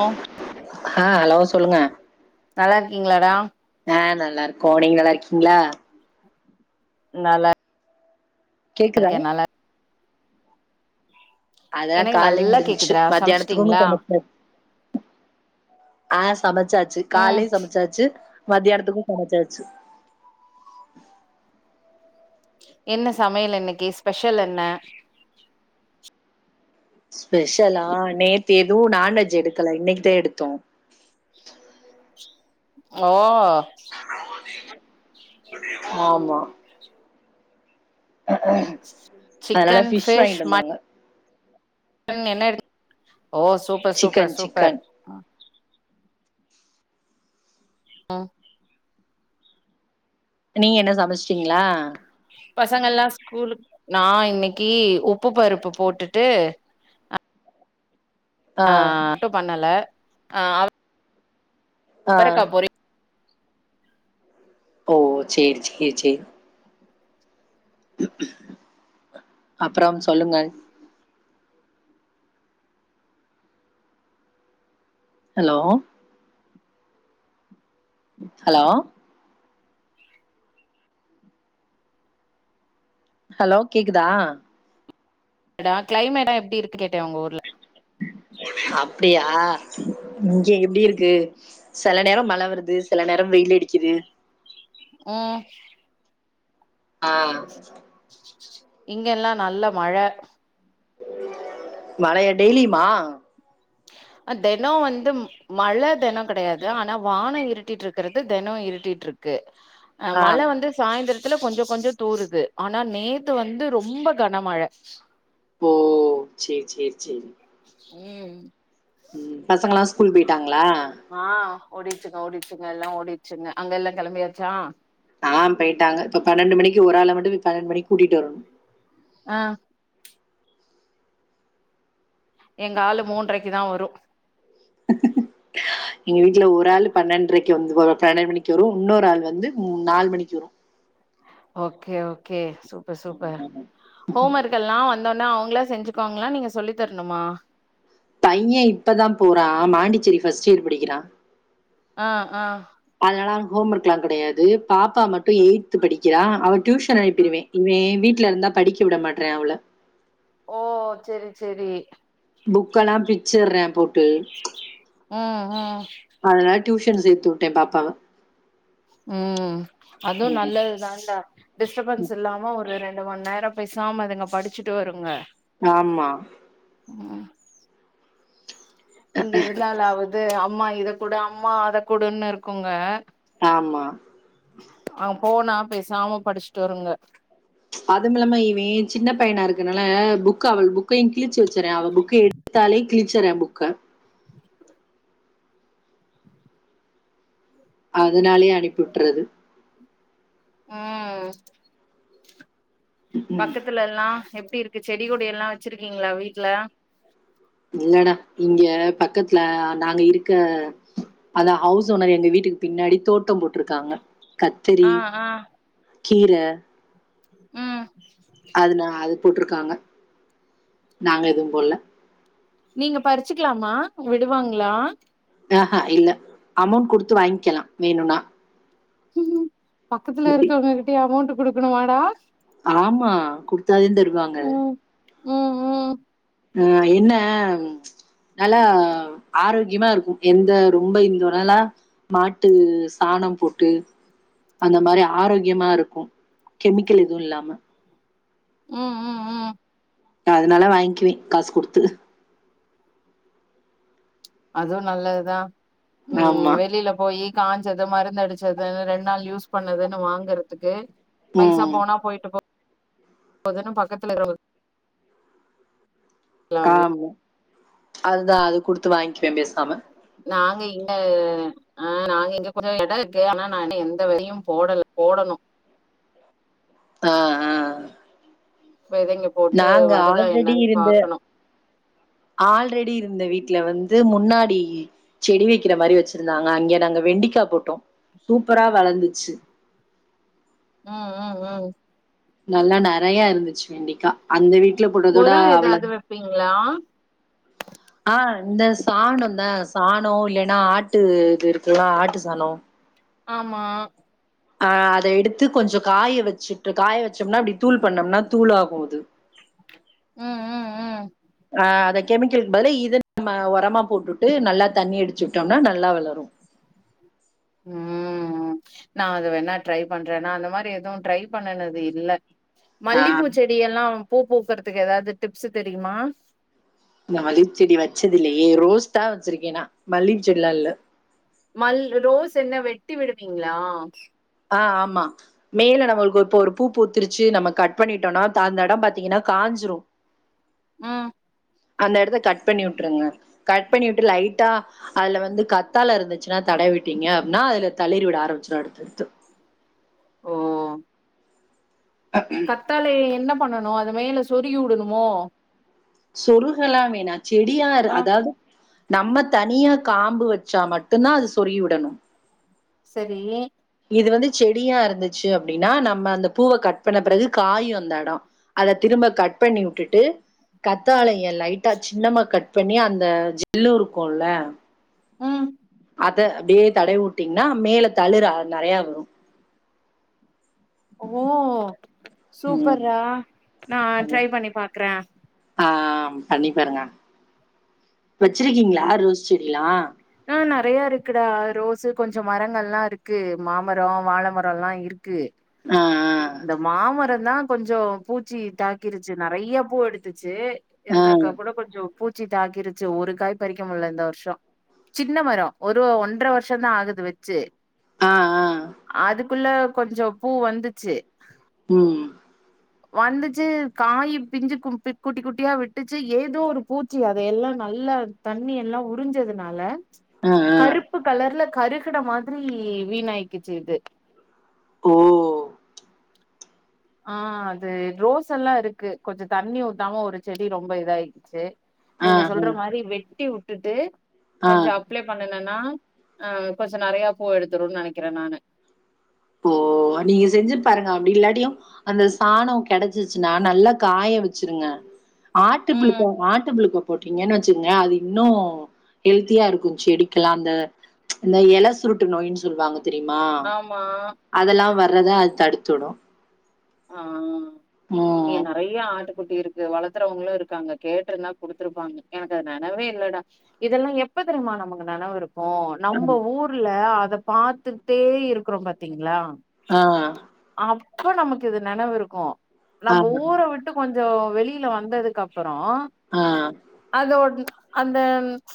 ஆ ஆ ஹலோ சொல்லுங்க நல்லா இருக்கீங்களாடா ஆ நல்லா இருக்கோம் நீங்க நல்லா இருக்கீங்களா நல்லார் கேக்குதா அதெல்லாம் எனக்கு காலையும் நல்லா முடிஞ்சிச்சு கேக்குதுடா மத்தியானத்துக்கும் சமைச்சிட்டீங்களா சமச்சா ஆ சமைச்சாச்சு ம் காலையும் சமைச்சாச்சு மதியானத்துக்கும் சமைச்சாச்சு என்ன சமையல் இன்னைக்கு ஸ்பெஷல் என்ன ஸ்பெஷலா நேத்து எதுவும் நான்வெஜ் எடுக்கல இன்னைக்குதான் எடுத்தோம் ஓ ஆமா ஹஹ அதனால சிக்கன் ஃபிஷ் வாங்கிட்டு வந்தாங்க சிக்கன் என்ன எடுத் ஓ super super chicken super chicken ஆ நீங்க என்ன சமைச்சிட்டீங்களா பசங்கள்ல்லாம் ஸ்கூலுக் நான் இன்னைக்கு உப்பு பருப்பு போட்டுட்டு ஆ அட்டும் பண்ணல ஆ அவ் ஆ அவரக்கா பொறி ஓ சேரி சேரி சேரி அப்புறம் சொல்லுங்கள் ஹலோ ஹலோ ஹலோ கேக்குதா எடா கிளைமேடா எப்டிருக் அப்புடியா ம் எப்டி இருக்கு செல நேரம் மழ வருது செல நேரம் வெயில் அடிக்குது ம் ஆ இங்கல்லா நல்ல மழை மழயா டெய்லியுமா தெனம் வந்து மழை தெனம் கெடையாது ஆனா வானம் இருட்டிட்டு இருக்குறது தெனம் இருட்டிட்டு இருக்கு அ ஆ மழை வந்து சாயிந்தர் துல கொஞ்ச கொஞ்ச தூருது ஆனா நேத்து வந்து ரொம்ப கனமழை ஓ சே சே சேரி ம் ம் பசங்கல்லா ஸ்கூல் போயிட்டாங்க ஆஹ் ஓடிச்சுங்க ஓடிச்சுங்க எல்லா ஓடிச்சுங்க அங்க எல்லா கிளம்பியாச்சா ஆ போயிட்டாங்க இப்ப பன்னெண்டு மணிக்கு ஒரு ஆள மட்டும் பன்னெண்டு மணிக்கு கூட்டிட்டு வரணு ஆ எங்க ஆளு மூன்றரைக்கு தா வரும் எங்க வீட்ல ஒரு ஆள் பன்னெண்டரைக்கு வந்து பன்னெண்டு மணிக்கு வரும் இன்னொரு ஆள் வந்து நாலு மணிக்கு வரு okay okay super super home work எல்லா வந்தோன அவுங்ளா செஞ்சுகுவாங்ளா நீங்க சொல்லித்தரணுமா பையன் இப்பதான் போறான் மாண்டிச்சேரி பஸ்ட் இயர் படிக்கிறான் ம் ம் ஹோம் ஒர்க் எல்லா கெடையாது பாப்பா மட்டு எயித்து படி கிலா அவுர் டியூஷன் அனுப்பிருவேன் இவே வீட் வீட்ல இருந்தா படிக்க விட மாட்டறேன் அவள ஓ செரி செரி புக்கல்லா பிச்சுறேன் போட் டு ம் ம் அதனா டியூஷன் சேத்து விட்டே பாப்பாவா உம் அதுவு நல்லதுதாக்கா டிஸ்டபன்ஸ் இல்லாம ஒரு ரெண்டு இரண்டு மணி நேரம் பேசாம இருங்க படிச்சுட்டு வருங்க ஆமா உம் இங்க இருந்தால ஆவது இது அம்மா இத கூடு அம்மா அத கூடுன்னு இருக்குங்க ஆமா அங்க போனா பேசாம படிச்சுட்டு வருங்க அதுமில்லமா இவே சின்ன பையனா இருக்கனால புக்க அவள் புக்கையு கிழிச்சு வச்சுறா அவள் புக்க எடுத்தாலே கிழிச்சுறா புக்க அதனாலே அனிப்புட்டுறது உம் பக்கத்துலனா டி இருக்கு செடி கொடில்லா வெச்சிருக்கீங்ளா வீட்ல இல்லடா இங்க பக்கத்ல நாங்க இருக்க அத ஹவுஸ் ஓனர் எங்க வீட்டுக்கு பின்னாடி தோட்டம் போட்ருக்காங்க ஆ ஆ கீர ம் அதுனால் போட்ருகாங்க நாங்க எதுவு போடல்ல நீங்க பறிச்சுக்கலாமா விடுவாங்ளா ஆஹ இல்ல அமௌண்ட் குடுத்து வாங்கிகலா வேணுனா உம் பக்கத்ல இருக்கவங்ககிட்டய அமௌண்டு குடுக்கணுமாடா ஆமா குடு த்த தருவாங்க உம் உம் அ என்ன நல்லா ஆரோக்கியமா இருக்கு எந்த ரொம்ப இந்த உணல்லா மாட்டு சாணம் போட்டு அந்த மாதிரி ஆரோக்கியமா இருக்கு கெமிக்கல் எதுவு இல்லாம உம் உம் உம் அதனால வாங்குவே காசு குடுத்து அதுவு நல்லதுதா உம் ஆமா வெளில போயி காஞ்சது மருந்தடுச்சது ரெண்டு நாள் யூஸ் பண்ணதுன்னு வாங்குறதுக்கு பைசா உம் போனா போயிட்டு போ போதனு பக்கத்துல இரு ஆமா அதுதா அது குடுத்து வாங்கிவே பேசாம நாங்க இங்க ஆ நாங்க இங்க கொஞ்ச எட இருக்கு ஆனா நா என்ன எந்த வேதையோ போடல போடணு ஆஹ் ஆஹ். வெதைங்க போட்டு நாங்க வருதா ஆல்ரெடி என்னன்னு இருந்த பாக்கணு ஆல்ரெடி இரு இந்த வீட்டுல வந்து முன்னாடி செடி வைக்கிற மாரி வச்சிருந்தாங்க அங்க நாங்க வெண்டிக்கா போட்டோ சூப்பரா வளர்ந்துச்சு ம் ம் ம் நல்லா நெறைய இருந்துச்சு வெண்டிகா அந்த வீட்டுல போட்டறதோட ஒரோ அவ்ள ஏதாவது வெப்பீங்களா ஆ இந்த சாண தா சா [unintelligible] இல்லலைன்னா ஆட்டு இது இருக்குல்லா ஆட்டு சாணோ ஆமா ஆ அத எடுத்து கொஞ்ச காய வச்சுட்டு காய வச்சோம்னா அப்படி தூள் பண்ணோம்னா தூள் ஆகு அது ம் ம் ம் ஆ அத கெமிக்கலு பதுலு இது நம்ம உரமா போட்டுட்டு நல்லா தண்ணி அடிச்சு விட்டோம்னா நல்லா வளரு ம் நா அது வேணா ட்ரை பண்றேன்னா அந்த மாரி எதுவு ட்ரை பண்ணனது இல்ல ஆ மல்லிப்பூச்செடி எல்லா பூ பூக்குறதுக்கு ஏதாவது டிப்ஸ் தெரியுமா இந்த மல்லிகை செடி வச்சதுல்லையே ரோஸ் தா வச்சிருக்கேன்னா மல்லிகை செடி எல்லா இல்ல மல் ரோஸ் என்ன வெட்டி விடுவீங்களா ஆ ஆமா மேல நம்மளுக்கு இப்ப ஒரு பூ புத்துருச்சு நம்ம கட் பண்ணிட்டோம்னா த அந்த இடம் பாத்தீங்கன்னா காஞ்சிரு ம் அந்த இடத்த கட் பண்ணி விட்டுருங்க கட் பண்ணி விட்டு லைட்டா அதுல வந்து கத்தாழ இருந்துச்சுன்னா தடை விட்டிங்க அப்படின்னா அதுல தள்ளறி விட ஆரம்பிச்சிட அடுத்தடுத்து ஓ கத்தாழை என்ன பண்ணனு அது மேல சொருகி விடணுமோ சொருகெல்லா வேணா செடியார் ஆ அதாவது நம்ம தனியா காம்பு வச்சா மட்டுதா அது சொறிவிடணு சேரி இது வந்து செடியா இருந்துச்சு அப்படின்னா நம்ம அந்த பூவ கட் பண்ண பிறகு காயும் அந்த இட அத திரும்ப கட் பண்ணி விட்டுட்டு கத்தாழைய லைட்டா சின்னமா கட் பண்ணி அந்த ஜெல்லு இருக்கும்ல ம் அத அப்படியே தடை விட்டீங்கன்னா மேல தளிற நெறைய வரு ஓ ம் சூப்பர்ரா நா ம் ட்ரை பண்ணி பாக்குறே ஆ பண்ணி பாருங்க வச்சிருக்கீங்களா ரோஸ் செடிலா நெறையா இருக்குடா ரோஸ் கொஞ்ச மரங்கள் எல்லா இருக்கு மாமரம் வாழை மரம் எல்லா இருக் கு ஆ இந்த மாமரம் தா கொஞ்சோ பூச்சி தாக்கிருச்சு நிறையா பூ எடுத்து ச்சு ஆ இருந்தாக்கா ஆ கூட கொஞ்சோ பூச்சி தாக்கிருச்சி ஒரு காய் பறிக்க முடியல இந்த வருஷோ சின்ன மரோ ஒரு ஒன்ட்ர வருஷ தா ஆகுது வச்சு ஆ ஆ க்குள்ள கொஞ்சோ பூ வந்துச்சு உ வந்துச்சு காய் பிஞ்சு குட்டி குட்டியா விட்டுச்சு ஏதோ ஒரு பூச்சி அத எல்லா நல்லா தண்ணி எல்லா உரிஞ்சதுனால ஆ ஆ கருப்பு கலர்ல கறுகுன மாதிரி வீணாய்க்குச்சு இது ஓ ஆ அது ரோஸ் எல்லா இருக்கு கொஞ்சோ தண்ணி ஊத்தாம ஒரு செடி ரொம்ப இத ஆயிச்சு ஆ நீங்க ஆ சொல்ற மாரி வெட்டி வு டுட்டு ஆ கொஞ்சோ அப்ளை பண்ணுனன் ஆ கொஞ்சோ நறையா பூ எடுத்துரும்னு நனைக்கிறே நானு போ நீங்க செஞ்சு பாருங்க அப்டி இல்லாட் ட்டியு அந்த சாணோ கெடைச்சிச்சுனா நல்லா காய வச்சிருங்க ஆட்டு ம் புளுக்க ஆட்டு புளுக்க போட்டீங்கன்னு வச்சுக்கங்க அது இன்னு ஹெல்த்தியாருக்கு செடிக்கெலா அந்த இந்த எல சுருட்டு நோயின் சொல்வாங்க ஆமா அதெலா வர்றத அது தடுத்துவுடு ஆ ஏ நெறையா ஆட்டு குட்டி இருக்கு வளர்த்துறவங்களு இருக்காங்க கேட்ருந்தா குடுத்துருப்பாங்க எனக்கு அது நெனவே இல்லடா இதெலா எப்ப தெரியுமா நமக்கு நெனவு இருக் கு நம்ப ஊர்ல அத பாத்துட்டே இருக்குறோ பாத்தீங்ளா ஆ அப்ப நமக்கு இது நெனவுருக்கு நம்ப ஆமா. ஊர விட்டு கொஞ் ஜோ வெளில வந்ததுக்கப்பறோ ஓ ஆ அதோட் அந்த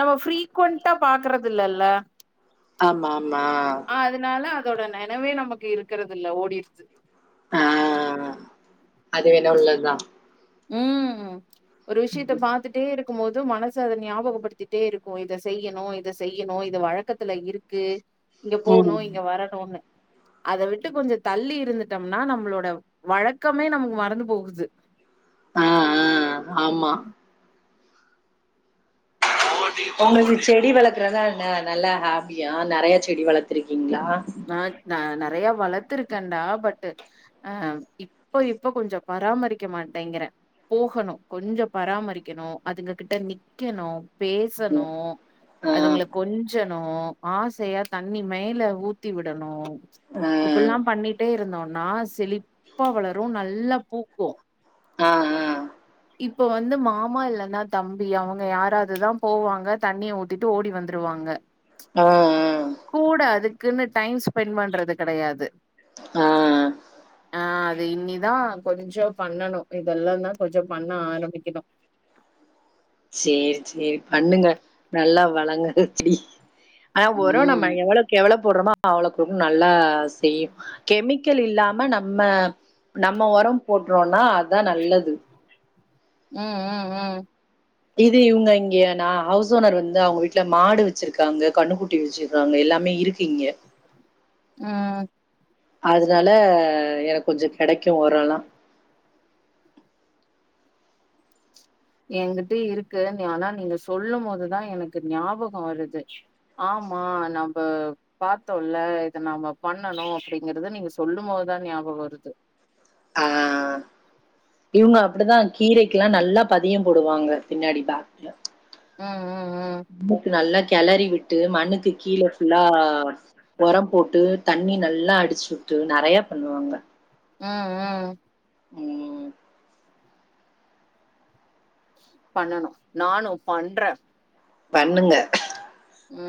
நம்ம ஃப்ரீக்குவண்டா பாக்றது இல்லல்ல ஆமா ஆமா ஆ அதனால அதோட நெனவே நமக்கு இருக்கறதுல்ல ஓடிரிச்சி ஆ அது வேணா உள்ளதா ம் ஒரு விஷயத்த பாத்துட்டேருக் மோது மனசு அத ஞாபகப்படுத்திட்டேருக்கு இத செய்யிணு இத செய்யிணு இத வழக்கத்துல இருக்கு இங்க ம் போணு இங்க வரணுன்னு அத விட்டு கொஞ்சோ தள்ளி இருந்துட்டம்னா நம்ளோட வழக்கமே நமக்கு மறந்து போகுது ஆ ஆ ஆமா உங்ளுக்கு செடி வளக்குறதா ந நல்லா ஹாபியா நெறய செடி வளத்ருக்கீங்ளா நா நா ந நெறையா வளத்ருக்கேன்டா பட் ஆ இப்போ இப்போ கொஞ்சோ பராமரிக்க மாட்டேங்றே போகணு கொஞ்சோ பராமரிக்கணு அதுங்க கிட்ட நிக்கணு பேசணு ம். ஆ அதுங்கள கொஞ்சணு ஆசையா தண்ணி மேய்ல ஊத் த்தி விடணு ஆ இப்பெல்லா பண்ணிட்டே இருந்தோ நா செழிப்பா வளரு நல்லா பூக்கு ஆ ஆ இப்ப வந்து மாமா இல்லனா தம்பி அவுங்க யாராதுதா போவாங்க தண்ணிய ஊத்திட்டு ஓடி வந்ருவாங்க ஆ கூட அது க்குனு டைம் ஸ்பென் பண்றது கெடையாது. ஆ ஆ ஆ த இனிதா கொஞ்சோ பண்ணனு,, இதெல்லா தா கொஞ்சோ பண்ண ஆரம்பிக்கணு. சேரி,, சேரி,, பண்ணுங்க,, நல்லா வழங்க செடி ஆனா ஒரோ ம் நம்ம எவ்ளக்கு எவ்ளோ போடுறோமோ அவ்ளக்கு நல்லா செய்யு,, கெமிக்கல் இல்லாம நம்ம நம்ம ஒரோ போட்றோன்னா தா நல்லது. ம்,, ம்,, ம். இது இவுங்க இங்கே,, நா ஹவுஸ் ஓனர் வந்து,, அவங்க வீட்டுல மாடு வச்சிருக்காங்க,, கண்ணுக்குட்டி வச்சிருக்காங்க,, எல்லாமே இருக்கு இங்க. ம். அதுனால எனக்கு கொஞ்சோ கெடைக்கு ஒரோலா. எங்கிட்ட இருக்கு நீ ஆனா நீங்க சொல்லும் போதுதா எனக்கு ஞாபகோ வருது,, ஆமா நம்ப பாத்தோல,, இத நம்ம பண்ணணு,, அப்படிங்கறத நீங்க சொல்லு போதுதா ஞாபகோ வருது. ஆ,, இவங்க அப்பிடிதா கீரைக்குலா நல்லா பதியோ போடுவாங்க பின்னாடி பேக்,, உ உ நல்லா உ கெளறி விட்டு மண்ணுக்கு கீழ ஃபுல்லா ஒரம் போட்டு தண்ணி நல்லா அடிச்சு விட்டு நெறையா பண்ணுவாங்க உஉ உ பண்ணணு நானு பண்றே பண்ணுங்க உ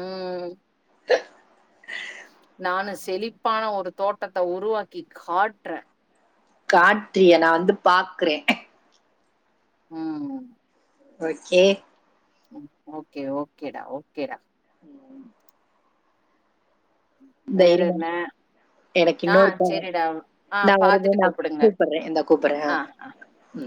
நானு செழிப்பான ஒரு தோட்டத்த உருவாக்கி காட்றே காட்ரிய நா வந்து பாக்குறே உ ஓகே ஓகே ஓகேடா ஓகேடா வேற தைரியமா என்ன இரு எனக்கு ஆ இன்னொருபா செரிடா ஆ நா வருது பாத்துட்டு நா கூப்புடுங்க கூப்பிட்றே இந்தா கூப்பிடுறே ஆ உ